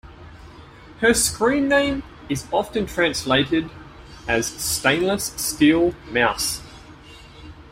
Her screen name is often translated as Stainless Steel Mouse.